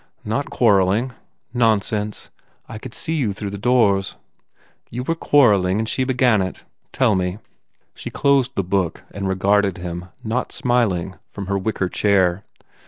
"Not quarrelling." "Nonsense. I could see you through the 206 COSMO RAND doors. You were quarrelling and she began it. Tell me." She closed the book and regarded him, not smiling, from her wicker chair.